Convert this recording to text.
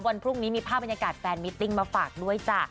วันพรุ่งนี้มีภาพบรรยากาศแฟนมิตติ้งมาฝากด้วยจ้ะ